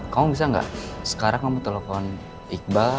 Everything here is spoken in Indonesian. kamu bisa nggak sekarang kamu telepon iqbal